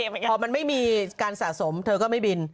พอมันไม่มีการสะสมเธอก็ไม่บิน